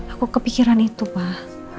aku kepikiran itu pak